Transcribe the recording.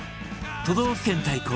都道府県対抗！